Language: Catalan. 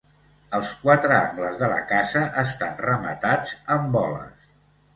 Els quatre angles de la casa estan rematats amb boles.